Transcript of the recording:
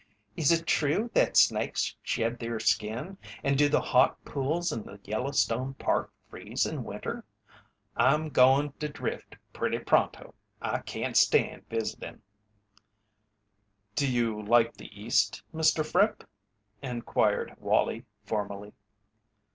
'Is it true that snakes shed their skin, and do the hot pools in the Yellowstone Park freeze in winter?' I'm goin' to drift pretty pronto I can't stand visitin'." "Do you like the East, Mr. Fripp?" inquired Wallie, formally.